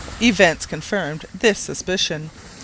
Events confirmed this suspicion.